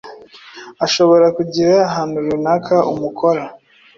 ashobora kugira ahantu runaka umukora